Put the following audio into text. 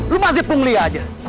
lo masih pungli aja